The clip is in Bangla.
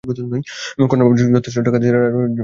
কন্যার বাপ যথেষ্ট টাকা দিতে রাজি আছেন।